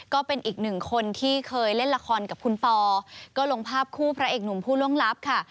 ก็เป็นอีกหนึ่งคนที่เคยเล่นละครกับคุณปอก็ลงภาพคู่พระเอกหนุ่มผู้ล่วงลับค่ะ